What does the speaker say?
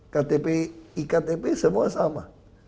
ktp iktp semua sama